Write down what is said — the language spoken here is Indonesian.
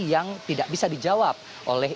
yang tidak bisa dijawab oleh